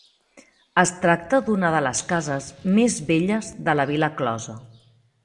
Es tracta d'una de les cases més velles de la vila closa.